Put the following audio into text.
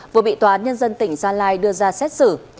vừa bị tòa án nhân dân tỉnh gia lai đưa ra xét xử